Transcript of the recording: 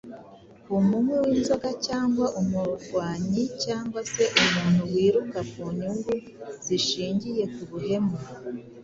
umunywi w’inzoga cyangwa umurwanyi cyagwa se umuntu wiruka ku nyungu zishingiye ku buhemu.